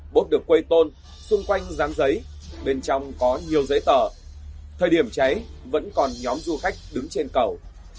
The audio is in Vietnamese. bốt được quây tôn xung quanh ráng giấy bên trong có nhiều giấy tờ thời điểm cháy vẫn còn nhóm du khách đứng trên cầu